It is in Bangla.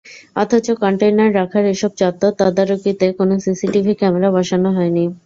অথচ কনটেইনার রাখার এসব চত্বর তদারকিতে কোনো সিসিটিভি ক্যামেরা বসানো হয়নি।